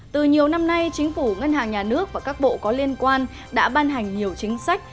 từ nhiều năm nay chính phủ ngân hàng nhà nước và các bộ có liên quan đã ban hành nhiều chính sách